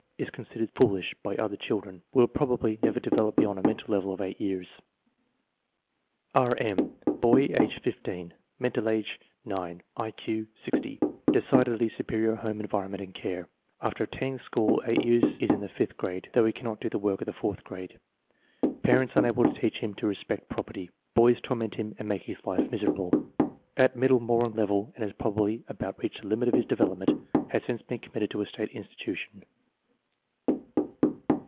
Is considered "foolish" by the other children. Will prob ably never develop beyond a mental level of 8 years. R. M. Roy, age 1!>; mental ar/e 0; I Q W). Decidedly superior liome environment and care. After attending school eight years INTELLIGENCE QUOTIENT SIGNIFICANCE 83 is in fifth grade, though he cannot do the work of the fourth grade. Parents unable to teach him to respect property. Boys torment him and make his life miserable. At middle moron level and has probably about reached the limit of his development. Has since been committed to a state institution.